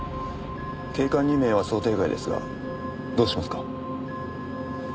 警官２名は想定外ですがどうしますか？